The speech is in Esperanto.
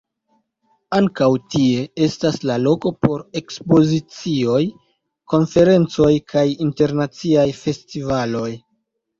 Ankaŭ tie estas la loko por ekspozicioj, konferencoj kaj internaciaj festivaloj.